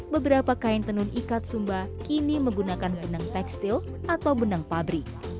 beberapa kain tenun ikat sumba kini menggunakan wenang tekstil atau benang pabrik